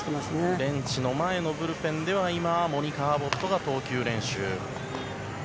ベンチ前のブルペンでは今、モニカ・アボットが投球練習。